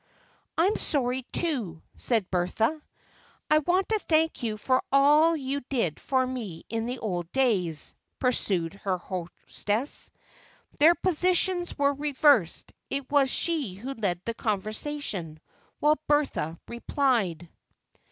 "I'm sorry, too," said Bertha. "I want to thank you for all you did for me in the old days," pursued her hostess. Their positions were reversed; it was she who led the conversation, while Bertha replied.